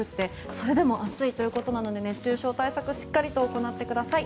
それでも暑いということなので熱中症対策しっかりと行ってください。